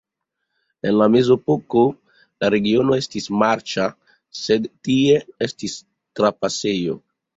En la mezepoko la regiono estis marĉa, sed tie estis trapasejo.